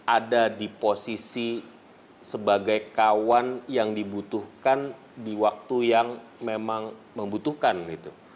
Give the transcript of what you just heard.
ada di posisi sebagai kawan yang dibutuhkan di waktu yang memang membutuhkan gitu